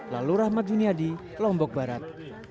lalu rahmat dunia di lombok barat